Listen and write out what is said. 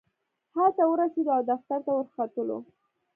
هلته ورسېدو او دفتر ته ورختلو.